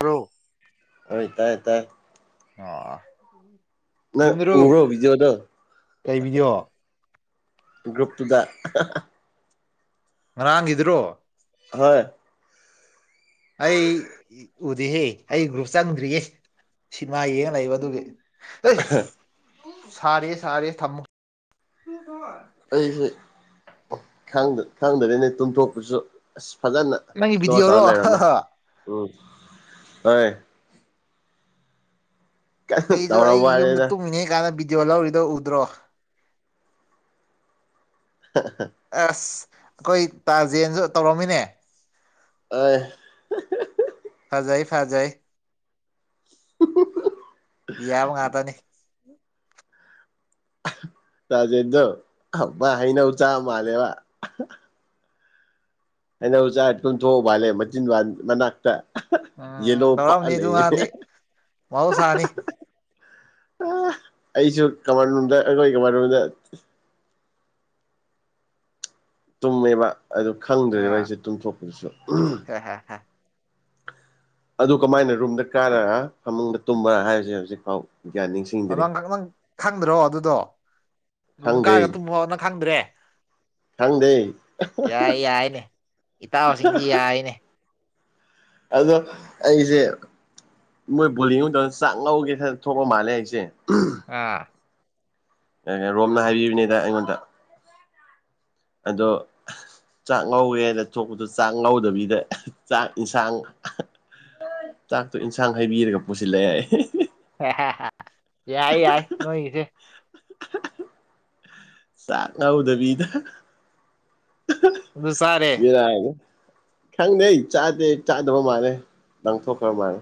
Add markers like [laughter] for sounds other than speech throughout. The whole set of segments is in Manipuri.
ꯕ꯭ꯔꯣ ꯍꯣꯢ ꯇꯥꯢ ꯇꯥꯥꯏ ꯑꯣ ꯅꯪ ꯌꯨꯝꯗꯔꯣ ꯎꯕ꯭ꯔꯣ ꯚꯤꯗꯤꯑꯣꯗꯣ ꯀꯩ ꯚꯤꯗꯤꯑꯣ ꯒ꯭ꯔꯨꯞꯇꯨꯗ ꯉꯔꯥꯡꯒꯤꯗꯨꯔꯣ ꯍꯣꯏ ꯑꯩ ꯎꯗꯦꯍꯦ ꯑꯩ ꯒ꯭ꯔꯨꯞ ꯆꯪꯗ꯭ꯔꯤꯌꯦ ꯁꯤꯃꯥ ꯌꯦꯡꯉ ꯂꯩꯕ ꯑꯗꯨꯒꯤ ꯏꯁ ꯁꯥꯔꯦ ꯁꯥꯔꯦ ꯊꯝꯃꯨ ꯑꯩꯁꯦ ꯈꯪꯗ ꯈꯪꯗ꯭ꯔꯦꯅꯦ ꯇꯨꯝꯊꯣꯛꯄꯁꯨ ꯑꯁ ꯐꯖꯅ ꯅꯪꯒꯤ ꯏꯁꯂ‌ꯣ ꯚꯤꯗꯤꯑꯣꯔꯣ ꯇꯧ ꯂꯩꯔꯝꯃꯦ ꯎꯝ ꯍ‌ꯣꯏ ꯑꯩꯁꯨ ꯇꯧꯔ ꯑꯩꯒꯤ ꯌꯨꯝꯗ ꯋꯥꯅꯤꯗ ꯇꯨꯝꯃꯤꯅ‌ꯦ ꯀꯥꯏꯅ ꯚꯤꯗꯤꯑꯣ ꯂꯧꯔꯤꯗꯣ ꯎꯗ꯭ꯔꯣ ꯍꯥ ꯍꯥ ꯑꯁ ꯑꯩꯈꯣꯏ ꯇꯥꯖꯦꯟꯁꯨ ꯇꯧꯔꯝꯃꯤꯅꯦ ꯑꯣꯏ ꯐꯖꯩ ꯐꯥꯖꯩ ꯌꯥꯕ ꯉꯥꯛꯇꯅꯤ [unintelligible] ꯇꯥꯖꯦꯟꯗꯣ ꯃꯥ ꯍꯩꯅꯧ ꯆꯥ ꯃꯥꯜꯂꯦꯕ ꯍꯩꯅꯧ ꯆꯥꯔ ꯇꯨꯝꯊ‌ꯣꯛꯑ ꯃꯥꯜꯂꯦ ꯃꯆꯤꯟꯕꯥꯜ ꯃꯅꯥꯥꯛꯇ ꯎꯝ ꯎꯝ ꯇꯧꯔꯝꯅꯤ ꯑꯗꯨ ꯉꯥꯡꯗꯤ ꯃꯍꯧꯁꯥꯅꯤ ꯑꯩꯁꯨ ꯀꯃꯟ ꯔꯨꯝꯗ ꯑꯩꯈꯣꯏ ꯀꯃꯟꯔꯨꯝꯗ ꯇꯨꯝꯃꯦꯕ ꯑꯗꯨ ꯈꯪꯗ꯭ꯔꯦꯕ ꯑꯥ ꯑꯩꯁꯦ ꯇꯨꯝꯊꯣꯛꯄꯗꯨꯁꯨ [unintelligible] ꯑꯗꯨ ꯀꯃꯥꯏꯅ ꯔꯨꯝꯗ ꯀꯥꯔ ꯐꯃꯨꯡꯗ ꯇꯨꯝꯕ ꯍꯥꯏꯁꯦ ꯍꯧꯖꯤꯛ ꯐꯥꯎ ꯌꯥ ꯅꯤꯡꯁꯤꯡ ꯅꯪ ꯅꯪ ꯈꯪꯗ꯭ꯔꯣ ꯑꯗꯨꯗꯣ ꯑꯗꯨꯨꯝ ꯈꯪꯗꯦ ꯀꯥꯏꯔꯒ ꯇꯨꯝꯃꯣ ꯅꯪ ꯈꯪꯗ꯭ꯔꯦ [inaudible] ꯈꯪꯗꯦ ꯌꯥꯏ ꯌꯥꯏꯅꯦ ꯏꯇꯥꯎꯁꯤꯡꯁꯤ ꯌꯥꯏꯅꯦ ꯑꯗꯣ ꯑꯩꯁꯦ ꯃꯣꯏ ꯕꯣꯜ ꯌꯦꯡ ꯃꯇꯝꯗ ꯆꯥꯛ ꯉꯧꯒꯦ ꯈꯜꯂ ꯊꯣꯛꯄ ꯃꯥꯜꯂꯦ ꯑꯩꯁꯦ ꯑꯥ ꯔꯣꯝꯅ ꯍꯥꯏꯕꯤꯕꯅꯤꯗ ꯑꯩꯉꯣꯟꯗ ꯑꯗꯣ ꯆꯥꯛ ꯉꯧꯋꯦ ꯍꯥꯏꯅ ꯊꯣꯛꯄꯗꯣ ꯆꯥꯛ ꯉꯧꯗꯕꯤꯗ ꯆꯥꯛ ꯏꯟꯁꯥꯡ ꯆꯥꯛꯇꯨ ꯏꯟꯁꯥꯡ ꯍꯩꯕꯤꯔꯒ ꯄꯨꯁꯤꯜꯂꯛꯑ‌ꯦ ꯌꯥꯏ ꯌꯥꯏ ꯅꯣꯏꯒꯤꯁꯦ ꯆꯥꯛ ꯉꯧꯗꯕꯤꯗ ꯑꯗꯨ ꯆꯥꯔꯦ ꯕ‌ꯦꯔꯅꯤ ꯈꯪꯗꯦ ꯆꯥꯗꯦ ꯆꯥꯗꯕ ꯃꯥꯜꯂꯦ ꯂꯪꯊꯣꯛꯈ꯭ꯔꯕ ꯃꯥꯜꯂꯦ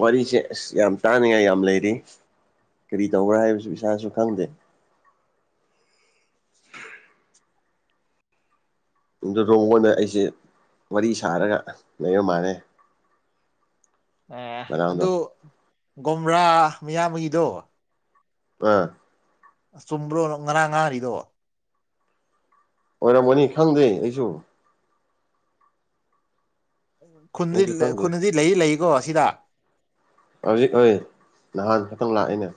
ꯋꯥꯔꯤꯁꯦ ꯑꯁ ꯌꯥꯝ ꯇꯥꯅꯤꯡꯉꯥꯏ ꯌꯥꯝ ꯂꯩꯔꯤ ꯀꯔꯤ ꯇꯧꯕ꯭ꯔꯥ ꯍꯥꯏꯕꯁꯨ ꯏꯁꯥꯁꯨ ꯈꯪꯗꯦ [unintelligible] ꯑꯩꯁꯦ ꯋꯥꯔꯤ ꯁꯥꯔꯒ ꯂꯩꯕ ꯃꯥꯥꯟꯂꯦ ꯑꯦ ꯃꯅꯥꯎꯗꯣ ꯑꯗꯨ ꯒꯣꯝꯔꯥ ꯃꯌꯥꯝꯕꯒꯤꯗꯣ ꯄꯥ ꯑ ꯆꯨꯝꯕ꯭ꯔꯣ ꯉꯔꯥꯡ ꯉꯥꯔꯥꯡꯔꯤꯗꯣ ꯑꯣꯏꯔꯝꯒꯅꯤ ꯈꯪꯗꯦ ꯑꯩꯁꯨ ꯑꯩꯁꯨ ꯈꯨꯟꯗꯗꯤ ꯈꯪꯗꯦ ꯈꯨꯟꯗꯗꯤ ꯂꯩꯌ‌ꯦ ꯂꯩ‌ꯌ‌ꯦꯀꯣ ꯁꯤꯗ ꯍꯧꯖꯤꯛ ꯑ‌ꯣꯏ ꯅꯍꯥꯟ ꯈꯛꯇꯪ ꯂꯥꯛꯑꯦꯅꯦ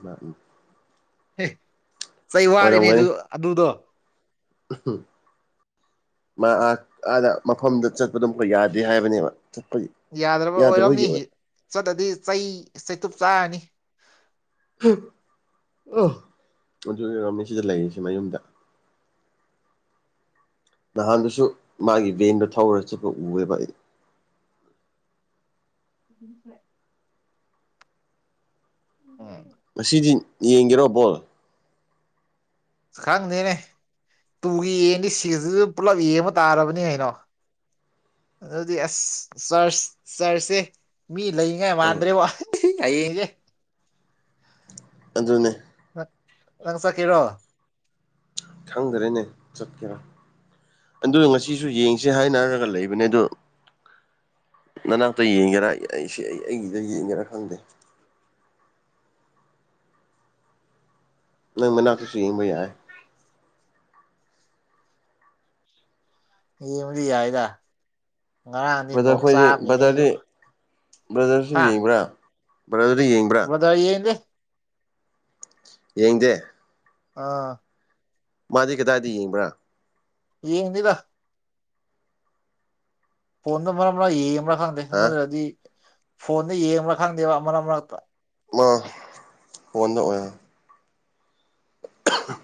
ꯑꯦ ꯆꯩ ꯋꯥꯠꯂꯤꯅꯦ ꯑꯣꯏꯔꯝꯒꯅꯤ ꯑꯗꯨ ꯑꯗꯨꯗꯣ [unintelligible] ꯥꯃꯥ ꯑꯥ ꯑꯥꯗ ꯃꯐꯝꯗ ꯆꯠꯄꯗꯣ ꯑꯃꯨꯛ ꯌꯥꯗꯦ ꯍꯥꯏꯕꯅꯦꯕ ꯆꯠꯄꯒꯤ ꯌꯥꯗ꯭ꯔꯕ ꯑꯣꯏꯔꯝꯅꯤ ꯆꯠꯂꯗꯤ ꯆꯩ ꯆꯩꯇꯨꯞ ꯆꯥꯔꯅꯤ ꯑ ꯑꯗꯨꯏ ꯑꯣꯏꯔꯝꯃꯤ ꯁꯤꯗ ꯂꯩꯔꯤꯁꯤ ꯃꯌꯨꯝꯗ ꯅꯍꯥꯟꯗꯨꯁꯨ ꯃꯥꯒꯤ ꯚꯦꯟꯗꯣ ꯊꯧꯔꯒ ꯆꯠꯄ ꯎꯑꯦꯕ ꯑꯩ [unintelligible] ꯎꯝ ꯉꯁꯤꯗꯤ ꯌꯦꯡꯒꯦꯔꯣ ꯕꯣꯜ ꯈꯪꯗꯦꯅꯦ ꯇꯨꯒꯤ ꯌꯦꯡꯉꯗꯤ ꯁꯤꯁꯨ ꯄꯨꯜꯂꯞ ꯌꯦꯡꯕ ꯇꯥꯔꯕꯅꯤ ꯀꯩꯅꯣ ꯑꯗꯨꯗꯤ ꯑꯁ ꯆꯔꯆ ꯆꯔꯆꯁꯦ ꯃꯤ ꯂꯩꯉ‌ꯦ ꯑꯪ ꯃꯥꯟꯗ꯭ꯔꯦꯕꯣ ꯍꯥꯌꯦꯡꯁ‌ꯦ ꯑꯗꯨꯅꯦ ꯅꯪ ꯆꯠꯀꯦꯔꯣ ꯈꯪꯗꯔꯦꯅꯦ ꯆꯠꯀꯦꯔꯥ ꯑꯗꯨ ꯉꯁꯤꯁꯨ ꯌꯦꯡꯁꯦ ꯍꯥꯏꯅꯔꯒ ꯂꯩꯕꯅꯦ ꯑꯗꯣ ꯅꯅꯥꯛꯇ ꯌꯦꯡꯒꯦꯔꯥ ꯑꯩꯁꯦ ꯑꯩꯒꯤꯗ ꯌꯦꯡꯒꯦꯔꯥ ꯈꯪꯗꯦ ꯅꯪ ꯃꯅꯥꯛ ꯇꯁꯨ ꯌꯦꯡꯕ ꯌꯥꯏ ꯌꯦꯡꯕꯗꯤ ꯌꯥꯏꯗ ꯉꯔꯥꯡꯗꯤ ꯕ꯭ꯔꯗꯔ ꯅꯣꯛ ꯈꯣꯏꯗꯤ ꯆꯥꯕꯒꯤꯅꯦ ꯑꯩꯁꯨ ꯕ꯭ꯔꯗꯔꯗꯤ ꯕ꯭ꯔꯗꯔꯁꯨ ꯌꯦꯡꯕ꯭ꯔꯥ ꯕ꯭ꯔꯗꯔꯗꯤ ꯌꯦꯡꯕ꯭ꯔꯥ ꯑꯗ ꯌꯦꯡꯒꯅꯤ ꯌꯦꯡꯗꯦ ꯑꯥ ꯃꯥꯗꯤ ꯀꯗꯥꯏꯗ ꯌꯦꯡꯕ꯭ꯔꯥ ꯌꯦꯡꯗꯦꯗ ꯐꯣꯟꯗ ꯃꯔꯛ ꯃꯔꯛ ꯌꯦꯡꯕ꯭ꯔꯥ ꯈꯪꯗꯦ ꯍꯥ ꯍꯟꯗꯛꯔꯗꯤ ꯐꯣꯟꯗ ꯌꯦꯡꯕ꯭ꯔꯥ ꯈꯪꯗꯦꯕ ꯃꯔꯛ ꯃꯔꯛꯇ ꯃꯥ ꯐ‌ꯣꯟꯗ ꯑꯣꯏꯔꯝ [inaudible]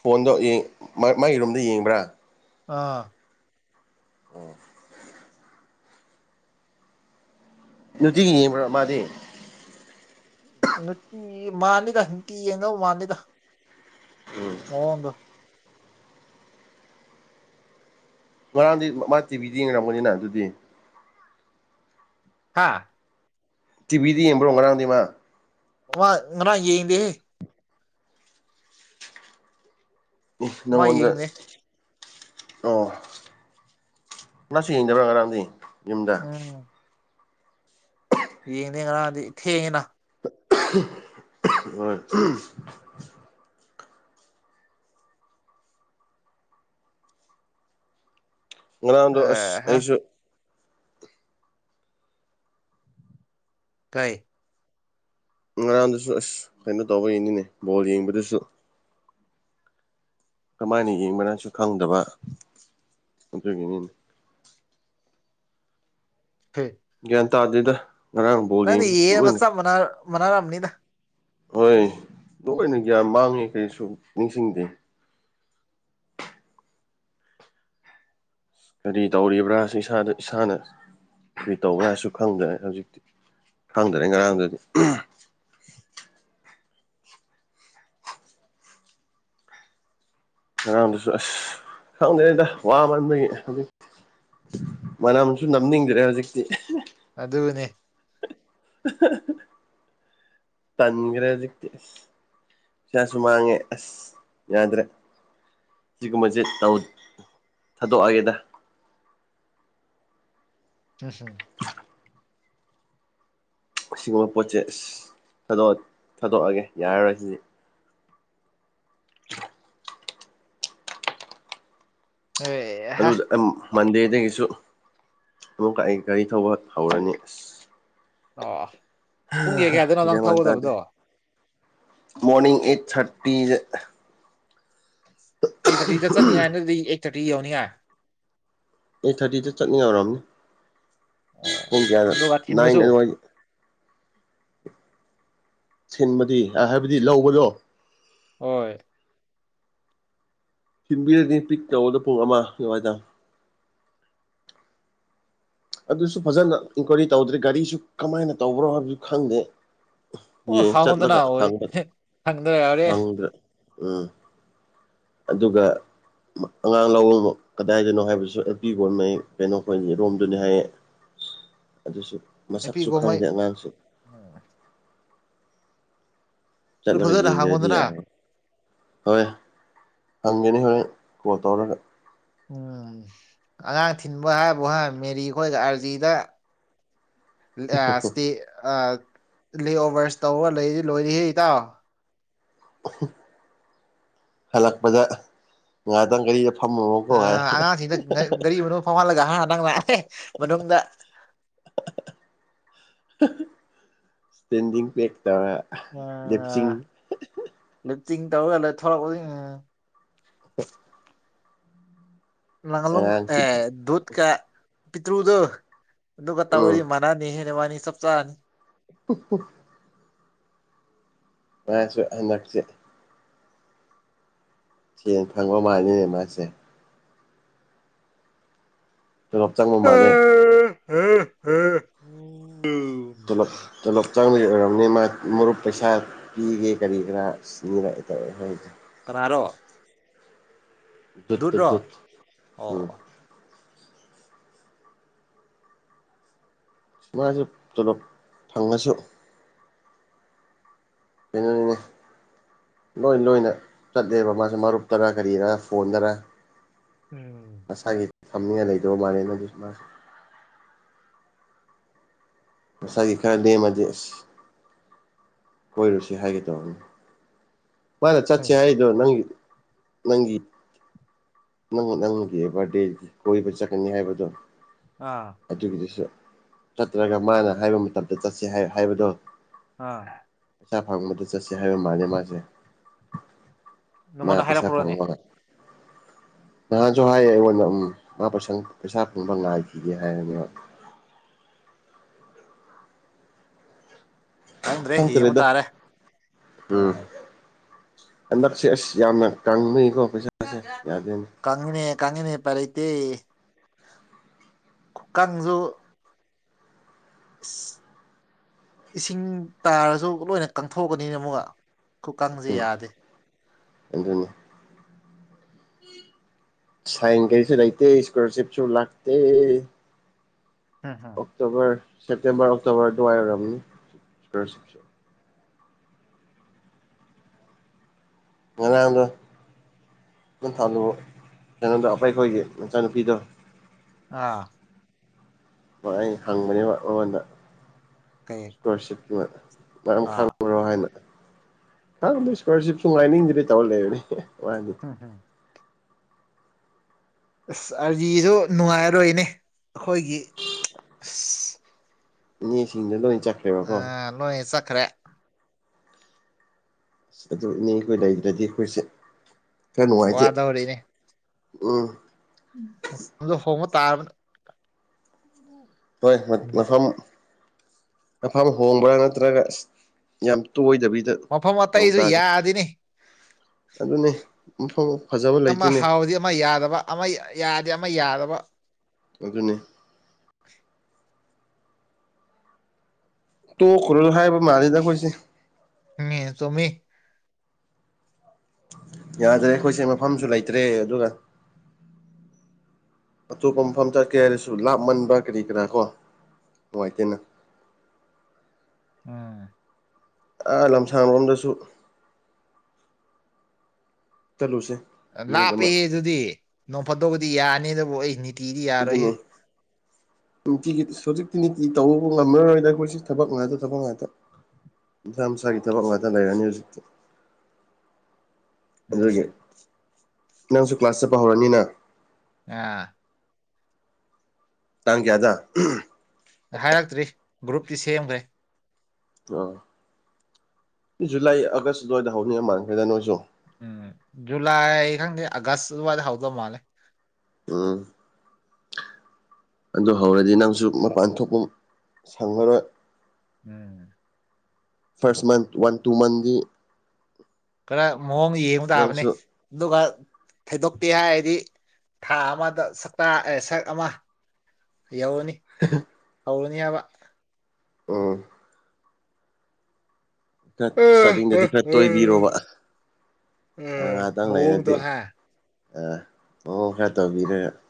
ꯐꯣꯟꯗꯣ ꯌꯦꯡ ꯃꯥꯏ ꯃꯥꯏ ꯔꯨꯝꯗ ꯌꯦꯡꯕ꯭ꯔꯥ ꯑꯥ ꯑꯣ ꯅꯨꯡꯇꯤꯒꯤ ꯌꯦꯡꯕ꯭ꯔ ꯃꯥꯗꯤ ꯅꯨꯡꯇꯤ ꯃꯥꯜꯂꯤꯗ ꯅꯨꯡꯇꯤ ꯌꯦꯡꯗ ꯃꯥꯜꯂꯤꯗ ꯎꯝ ꯃꯑꯣꯡꯗꯣ ꯉꯔꯥꯡꯗꯤ ꯃꯥ ꯃꯥ ꯇꯤꯚꯤꯗ ꯌꯦꯡꯔꯝꯒꯅꯤꯅ ꯑꯗꯨꯗꯤ ꯍꯥꯥ ꯇꯤꯚꯤꯗ ꯌꯦꯡꯕ꯭ꯔꯣ ꯉꯔꯥꯡꯗꯤ ꯃꯥ ꯑꯃ ꯉꯔꯥꯡ ꯌ‌ꯦꯡꯗꯦꯍ‌ꯦ ꯑꯦ ꯃꯥ ꯅꯪꯉ‌ꯣꯟꯗ ꯌꯦꯡꯗꯦ ꯑꯣ ꯃꯁꯨ ꯌꯦꯡꯗꯕ꯭ꯔꯥ ꯉꯔꯥꯡꯗꯤ ꯌꯨꯝꯗ ꯎꯝ ꯌꯦꯡꯗꯦ ꯉꯔꯥꯡꯗꯤ ꯊꯦꯡꯉ‌ꯦꯗ [unintelligible] ꯉꯔꯥꯡꯗꯣ ꯑꯁ ꯑꯦ ꯍꯥ ꯑꯩꯁꯨ ꯇꯥꯏ ꯉꯔꯥꯡꯗꯨꯁꯨ ꯑꯁ ꯀꯩꯅꯣ ꯇꯧꯕꯩꯅꯤꯅꯦ ꯕꯣꯜ ꯌꯦꯡꯕꯗꯨꯁꯨ ꯀꯃꯥꯏꯅ ꯌꯦꯡꯕ ꯅꯪꯁꯨ ꯈꯪꯗꯕ ꯑꯗꯨꯒꯤꯅꯤꯅꯦ ꯀꯩ ꯒ꯭ꯌꯥꯟ ꯇꯥꯗꯦꯗ ꯉꯔꯥꯡ ꯕꯣꯜ ꯅꯪꯅ ꯌꯦꯡ ꯌꯦꯡꯉꯤꯗ‌ꯣ ꯂꯣꯏꯅ ꯆꯞ ꯃꯅꯥ ꯃꯅꯥꯔꯝꯅꯤꯗ ꯍꯣꯏ ꯂꯣꯏꯅ ꯒ꯭ꯌꯥꯟ ꯃꯥꯡꯉꯦ ꯀꯩꯁꯨ ꯅꯤꯡꯁꯤꯡꯗꯦ ꯀꯔꯤ ꯇꯧꯔꯤꯕ꯭ꯔꯥꯁꯨ ꯏꯁꯥꯗ ꯏꯁꯥꯅ ꯀꯔꯤ ꯇꯧꯕ ꯍꯥꯏꯁꯨ ꯈꯪꯗ꯭ꯔꯦ ꯍꯧꯖꯤꯛꯇꯤ ꯈꯪꯗ꯭ꯔꯦ ꯉꯔꯥꯡꯗꯨꯗꯤ ꯉꯥꯔꯥꯡꯗꯨꯁꯨ ꯑꯁ ꯈꯪꯗꯔ‌ꯦꯗ ꯋꯥꯃꯟꯕꯒꯤ ꯃꯅꯝꯁꯨ ꯅꯝꯅꯤꯡꯗ꯭ꯔꯦ ꯍꯧꯖꯤꯛꯇꯤ ꯑꯗꯨꯅꯦ ꯇꯟꯒ꯭ꯔꯦ ꯍꯧꯖꯤꯛꯇꯤ ꯏꯁꯥꯁꯨ ꯃꯥꯡꯉꯦ ꯑꯁ ꯌꯥꯗ꯭ꯔꯦ ꯁꯤꯒꯨꯝꯕꯁꯦ ꯇꯧ ꯊꯥꯗꯣꯛꯑꯒꯦꯗ [unintelligible] ꯑꯁꯤꯒꯨꯝꯕ ꯄꯣꯠꯁꯦ ꯏꯁ ꯊꯥꯗ‌ꯣꯛ ꯊꯥꯗꯣꯛꯑꯒꯦ ꯌꯥꯔꯔꯣꯏ ꯁꯤꯗꯤ ꯑꯦ ꯑꯗꯨ ꯑꯩ ꯃꯟꯗꯦꯗꯒꯤꯁꯨ ꯑꯃꯨꯛꯀ ꯑꯩ ꯒꯥꯔꯤ ꯊꯧꯕ ꯍꯧꯔꯅꯤ ꯑꯁ ꯑ‌ꯣ ꯍꯥꯍ ꯒꯌꯥꯟ ꯃ‌ꯦꯟ ꯇꯗ‌ꯦ ꯃꯣꯔꯅꯤꯡ ꯑꯦꯠ ꯊꯥꯔꯇꯤ ꯗ ꯑꯩꯠ ꯊꯥꯔꯇꯤꯗ ꯆꯠꯅꯤ‌ ꯍꯥꯏꯔꯗꯤ ꯑꯩꯠ ꯊꯥꯔꯇꯤ ꯌꯧꯅꯤꯡꯉꯥꯏ ꯑꯩꯠ ꯊꯥꯔꯇꯤꯗ ꯆꯠꯅꯤ ꯌꯧꯔꯝꯅꯤ ꯑꯣ ꯄꯨꯡ ꯀꯌꯥꯗ ꯑꯗꯨꯒ ꯅꯥꯏꯟ ꯊꯤꯟꯕꯁꯨ ꯑꯗꯨꯋꯥꯏ ꯊꯤꯟꯕꯗꯤ ꯑꯥ ꯍꯥꯏꯕꯗꯤ ꯂꯧꯕꯗꯣ ꯍꯣꯏ ꯊꯤꯟꯕꯤꯔꯅꯤ ꯄꯤꯛ ꯇꯧꯕꯗꯣ ꯄꯨꯡ ꯑꯃ ꯑꯗꯨꯋꯥꯏꯗ ꯑꯗꯨꯁꯨ ꯐꯖꯅ ꯏꯟꯀ꯭ꯋꯥꯏꯔꯤ ꯇꯧꯗ꯭ꯔꯔꯤ ꯒꯥꯔꯤꯁꯨ ꯀꯃꯥꯏꯅ ꯇꯧꯕ꯭ꯔꯣ ꯍꯥꯏꯕꯁꯨ ꯈꯪꯗꯦ ꯑꯣ ꯌꯦꯡ ꯍꯥꯡꯉꯣꯟꯗꯅ ꯆꯠꯂꯒ ꯍꯣꯏ ꯍꯪ꯭ꯕ ꯍꯪꯗ꯭ꯔ ꯌꯥꯎꯔꯦ ꯍꯪꯗ꯭ꯔꯦ ꯎꯝ ꯑꯗꯨꯒ ꯃ ꯑꯉꯥꯡ ꯂꯧꯑꯣꯕꯨ ꯀꯗꯥꯏꯗꯅꯣ ꯍꯥꯏꯕꯁꯨ ꯑꯦꯜ ꯄꯤ ꯒꯣꯟꯃꯩ ꯀꯩꯅꯣ ꯈꯣꯏꯒꯤꯔꯣꯝ ꯑꯗꯨꯅꯤ ꯍꯥꯏꯌꯦ ꯑꯗꯨꯁꯨ ꯃꯁꯛꯁꯨ ꯅꯨꯄꯤꯒꯣꯃꯩ ꯈꯪꯗꯦ ꯑꯉꯥꯡꯁꯨ [unintelligible] ꯑꯗꯨ ꯆꯠꯂꯒ ꯐꯖꯅ ꯌꯦꯡꯗꯔꯗꯤ ꯍꯪꯉꯣꯗꯅ ꯌꯥꯔꯔ‌ꯣꯏ ꯍꯣꯏ ꯍꯪꯒꯅꯤ ꯍꯣꯔ‌ꯦꯟ ꯀꯣꯜ ꯇꯧꯔꯒ ꯎꯝ ꯑꯉꯥꯡ ꯊꯤꯟꯕ ꯍꯥꯏꯕꯨ ꯍꯥꯏ ꯃꯦꯔꯤ ꯈꯣꯏꯒ ꯑꯥꯔꯖꯤꯗ ꯑꯥ ꯏꯁꯇ‌ꯦ ꯑꯥ ꯂꯦꯑꯣꯚꯔꯁ ꯇꯧꯕ ꯂꯩꯌ‌ꯦ ꯂꯣꯏꯔ‌ꯦꯍꯦ ꯏꯇꯥꯎ ꯍꯂꯛꯄꯗ ꯉꯥꯇꯪ ꯒꯔꯤ ꯐꯝꯃꯨꯕꯀꫭ ꯑꯥ ꯑꯉꯥꯡꯁꯤꯡꯗ ꯉꯥ- ꯒꯥꯔꯤ ꯃꯅꯨꯡ ꯐꯥꯎꯍꯜꯂꯒ ꯍꯥ ꯅꯪꯅ ꯃꯅꯨꯡꯗ ꯁꯇꯦꯟꯗꯤꯡ ꯄꯦꯛ ꯇꯧꯔ ꯂꯦꯞꯆꯤꯡ ꯑꯥ ꯂꯤꯞꯇꯤꯡ ꯇꯧꯔꯒꯂ ꯊꫭꯔꯛꯄꯅꯤꯅꯦ [unintelligible] ꯅꯒꯥꯂꯨꯡ ꯑꯉꯥꯡꯒꯤ ꯑꯦ ꯗꯨꯠꯀ ꯄꯤꯠꯇ꯭ꯔꯨꯗꯣ ꯑꯗꯨꯒ ꯇꯧꯋꯌꯦ ꯎꯝ ꯃꯥ ꯅꯅꯤꯍꯦ ꯅꯕꯥꯅꯤ ꯆꯞ ꯆꯥꯔꯅꯤ [unintelligible] ꯃꯥꯁꯨ ꯍꯟꯗꯛꯁꯦ ꯁꯦꯟ ꯐꯪꯕ ꯃꯥꯜꯂꯤꯅꯦ ꯃꯥꯁꯦ ꯇꯨꯂꫭꯞ ꯆꯪꯕ ꯃꯥꯜꯂꯦ [unintelligible] ꯇꫭꯂꫭꯞ ꯇꫭꯂꫭꯞ ꯆꯪꯕꯩ ꯑꯣꯏꯔꯔꯕꯅꯤ ꯃꯥ ꯃꯔꯨꯞ ꯄꯩꯁꯥ ꯄꯤꯒꯦ ꯀꯔꯤ ꯀꯔꯥ ꯁꯤꯅꯤꯔ ꯇꯧꯔꯦ ꯍꯣꯏꯁꯦ ꯀꯔꯥꯔꯣ ꯗꯨꯠꯇꫭ ꯗꯨꯠ ꯎꯝ ꯑꯣ ꯁꯨꯃꯥꯏꯅꯁꯨ ꯄꫭꯂꫭꯞ ꯐꯪꯉꯁꯨ ꯀꯩꯅꯣꯅꯤꯅꯦ ꯂꯣꯏ ꯂꯣꯏꯅ ꯆꯠꯂꯦꯕ ꯃꯥꯁꯨ ꯃꯔꯨꯞꯇꯔ ꯀꯔꯤꯔꯥ ꯐꯣꯟꯗꯔ ꯎꯝ ꯃꯁꯥꯒꯤ ꯊꯝꯅꯤꯡꯉꯥꯏ ꯂꯩꯗꯕ ꯃꯥꯜꯂꯦꯅ ꯑꯗꯨꯗꯤ ꯃꯥꯁ ꯃꯁꯥꯒꯤ ꯈꯔ ꯂꯦꯝꯃꯗꯤ ꯀꯣꯏꯔꯨꯁꯤ ꯍꯥꯏꯒꯦ ꯇꯧꯅꯤ ꯃꯥꯅ ꯍꯝ ꯆꯠꯁ ꯍꯥꯏꯗꯣ ꯅꯪꯒꯤ ꯅꯪꯒꯤ ꯅꯪ ꯅꯪꯒꯤ ꯕꯥꯔꯗꯦꯒꯤ ꯀꯣꯏꯕ ꯆꯠꯀꯅꯤ ꯍꯥꯏꯕꯗꯣ ꯑꯥ ꯑꯗꯨꯒꯤꯗꯨꯁꯨ ꯆꯠꯇ꯭ꯔꯒ ꯃꯥꯅ ꯍꯥꯏꯕ ꯃꯇꯝꯗ ꯆꯠꯁꯦ ꯍꯥꯏ ꯍꯥꯏꯕꯗꯣ ꯑꯥ ꯄꯩꯁꯥ ꯐꯪꯕꯗ ꯆꯠꯁꯦ ꯍꯥꯏꯕ ꯃꯥꯜꯂ ꯃꯥꯁꯦ ꯃꯥꯥꯏ ꯅꯪꯉꯣꯟꯗ ꯄꯩꯁꯥ ꯍꯥꯏꯔꯛꯄ꯭ꯔꯣꯅꯦ ꯐꯪꯕꯒ ꯅꯍꯥꯟꯁꯨ ꯍꯥꯏꯌꯦ ꯑꯩꯉꯣꯟꯗ ꯎꯝ ꯃꯥ ꯄꯩꯁꯪ ꯄꯩꯁꯥ ꯐꯪꯕ ꯉꯥꯏꯈꯤꯒꯦ ꯍꯥꯏꯌꯦꯕ ꯈꯪꯗ꯭ꯔꯦ ꯌꯦꯡꯕ ꯈꯪꯗꯔꯦꯗ ꯇꯥꯔꯦ ꯎꯝ ꯑꯦꯟꯗꯛ ꯁꯤ ꯑꯁ ꯌꯥꯝꯅ ꯀꯥꯡꯅꯀꯣ ꯄꯩꯁꯥ ꯀꯪꯉꯦꯅꯦ ꯀꯪꯉꯦꯅꯦ ꯎꯄꯥꯏ ꯂꯩꯇꯦ ꯀꯥꯡꯖꯨ ꯏꯁꯤꯡ ꯇꯥꯔꯁꯨ ꯂꯣꯏꯅ ꯀꯪꯊꯣꯛꯀꯅꯤꯅ ꯑꯃꯨꯛꯒ ꯈꯨꯀꯪꯁꯦ ꯎꯝ ꯌꯥꯗꯦ ꯑꯗꯨꯅꯤ ꯁꯥꯏꯟ ꯀꯔꯤꯁꯨ ꯂꯩꯇꯦ ꯏꯁꯀꯣꯂꯔꯁꯤꯞꯁꯨ ꯂꯥꯛꯇꯦ [unintelligible] ꯑꯣꯛꯇꯣꯕꯔ ꯁꯦꯞꯇꯦꯝꯕꯔ ꯑꯣꯛꯇꯣꯕꯔ ꯑꯗꯨꯋꯥꯏ ꯑꯣꯏꯔꯕꯅꯤ ꯁꯀꯣꯂꯔꯁꯤꯞꯁꯨ ꯉꯔꯥꯡꯗꯣ ꯅ ꯊꯥꯂꯨ ꯀꯩꯅꯣꯗ ꯑꯄꯩ ꯈꯣꯏꯒꯤ ꯃꯆꯥꯅꯨꯄꯤꯗꯣ ꯑꯥ ꯍꯣꯏ ꯑꯩ ꯍꯪꯕꯅꯦꯕ ꯃꯉꯣꯟꯗ ꯀꯩ ꯄꯥꫪ ꯁꯦꯀꯦꯟ ꯃꯔꯝ ꯑꯥ ꯈꯥꯡꯈꯔꯣ ꯍꯥꯏꯅ ꯑ ꯏꯁꯀꯣꯂꯔꯁꯤꯞ ꯁꯨ ꯉꯥꯏꯅꯤꯡꯗ꯭ꯔꯦ ꯇꯧꯔ ꯂꯩꯔꯅꯤ ꯃꯥꯗꯤ [unintelligible] ꯑꯁ ꯑꯥꯔꯖꯤꯁꯨ ꯅꯨꯡꯉꯥꯏꯔꯣꯏꯅꯦ ꯑꯩꯈꯣꯏꯒꯤ ꯑꯁ ꯃꯤꯁꯤꯡꯗ ꯂꯣꯏ ꯆꯠ ꯂꯣꯏ ꯆꯠꯈ꯭ꯔꯦ ꯑꯗꯨ ꯏꯅꯦ ꯑꯩꯈꯣꯏ ꯂꯩꯗ꯭ꯔꯗꯤ ꯑꯩꯈꯣꯏꯁꯦ ꯈꯔ ꯅꯨꯡꯉꯥꯏꯇꯦ ꯎꯝ ꯗ ꯍꯣꯡꯕ ꯇꯥꯔꯕ ꯍꯣꯏ ꯃꯤꯅꯤꯠ ꯃꯐꯝ ꯃꯐꯝ ꯍꯣꯡꯕ꯭ꯔꯥ ꯅꯠꯇ꯭ꯔꯒ ꯌꯥꯝ ꯇꯣꯏꯗꯕꯤꯗ ꯃꯐꯝ ꯇꯧ ꯑꯇꯩꯁꯨ ꯇꯥꯔꯦ ꯌꯥꯗꯤꯅꯤ ꯑꯗꯨꯅꯤ ꯃꯐꯝ ꯐꯖꯕ ꯑꯃ ꯂꯩꯇꯦꯅꯦ ꯍꯥꯎꯗꯤ ꯑꯃ ꯌꯥꯗꯕ ꯑꯃ ꯌꯥꯗꯦ ꯑꯃ ꯌꯥꯗꯕ ꯑꯗꯨꯅꯤ ꯇꯣꯛ ꯈꯔꯨ ꯍꯥꯏꯕ ꯃꯥꯜꯂꯤꯦꯗ ꯃꯣꯏꯁꯦ ꯎꯝ ꯆꯨꯝꯃꯤ ꯌꯥꯗ꯭ꯔꯦ ꯑꯩꯈꯣꯏꯁꯦ ꯃꯐꯝꯁꯨ ꯂꯩꯇ꯭ꯔꯦ ꯑꯗꯨꯒ ꯑꯇꯣꯞꯄ ꯃꯐꯝ ꯆꯠꯀꯦ ꯍꯥꯏꯔꯁꯨ ꯂꯥꯞꯃꯟꯕ ꯀꯔꯤ ꯀꯔꯥ ꯀꯣ ꯅꯨꯡꯉꯥꯏꯇꯦꯅ ꯎꯝ ꯑꯥ ꯂꯝꯁꯥꯡꯂꯣꯝꯗꯁꯨ ꯆꯠꯂꯨꯁꯦ ꯅꯨꯃꯤꯠ ꯂꯥꯞꯄ ꯑꯃ ꯑꯗꯨꯗꯤ ꯅꯣꯡꯝꯐꯠꯇꯒꯗꯤ ꯌꯥꯅꯤꯗꯕꯨ ꯑꯩ ꯅꯤꯇꯤꯗꯤ ꯌꯥꯔꯣꯏꯍꯦ ꯑꯗꯨꯅꯦ ꯅꯨꯡꯇꯤꯒꯤ ꯍꯧꯖꯤꯛꯇꯤ ꯅꯦꯠꯀꯤ ꯇꯧꯕ ꯉꯝꯃꯔꯗꯤ ꯑꯩꯈꯣꯏꯁꯤ ꯊꯕꯛ ꯉꯥꯛꯇ ꯊꯕꯛ ꯉꯥꯛꯇ ꯃꯥꯁꯥ ꯃꯁꯥꯒꯤ ꯊꯕꯛ ꯉꯥꯛꯇꯥ ꯂꯩꯔꯅꯤ ꯍꯧꯖꯤꯛꯇꯤ ꯑꯗꯨꯒꯤ ꯎꯝ ꯅꯪꯁꯨ ꯀ꯭ꯂꯥꯁ ꯆꯠꯄ ꯍꯧꯔꯅꯤꯅ ꯑ ꯇꯥꯡ ꯀꯌꯥꯗ ꯍꯥꯏꯔꯛꯇ꯭ꯔꯤ ꯒ꯭ꯔꯨꯞꯇꯤ ꯁꯦꯝꯈ꯭ꯔꯦ ꯑꯥ ꯖꯨꯂꯥꯏ ꯑꯥꯒꯁ ꯑꯗꯨꯋꯥꯏꯗ ꯍꯧꯅꯤ ꯃꯥꯟꯈꯦꯗ ꯅꯣꯏꯁꯨ ꯎꯝ ꯖꯨꯂꯥꯏ ꯈꯪ ꯑꯒꯁ ꯋꯥ ꯍꯥꯎꯗꯣ ꯃꯥꯂꯦ ꯎꯝ ꯑꯗꯨ ꯍꯧꯔꯗꯤ ꯅꯪꯁꯨ ꯃꯄꯥꯟ ꯊꯣꯛꯄ ꯁꯪꯉꯔꯣꯏ ꯎꯝ first month one two month ꯈꯔ ꯃꯑꯣꯡ ꯌꯦꯡꯕ ꯇꯥꯕꯅꯦ ꯅꯪꯁꯨ ꯑꯗꯨꯒ ꯊꯩꯗꯣꯛꯇꯦ ꯍꯥꯏꯔꯗꯤ ꯊꯥ ꯑꯃꯗ ꯁꯛ ꯑꯃ ꯌꯥꯎꯅꯤ ꯍꯧꯅꯤ ꯍꯥꯏꯕ ꯎꯝ ꯈꯔ ꯎꯝ ꯆꯔꯇꯤꯡꯗꯗꯤ ꯎꯝ ꯈꯔ ꯎꯝ ꯇꯣꯏꯕꯤꯔꯣꯕ ꯑ ꯎꯝ ꯉꯥꯏꯍꯥꯛꯇꯪ ꯃꯑꯣꯡꯗꯣ ꯂꯩꯔꯗꯤ ꯍꯥ ꯑ ꯃꯑꯣꯡ ꯈꯔ ꯇꯧꯕꯤꯔꯦ